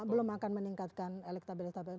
belum akan meningkatkan elektabilitas